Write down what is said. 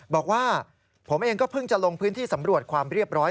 บอกว่าผมเองก็เพิ่งจะลงพื้นที่สำรวจความเรียบร้อย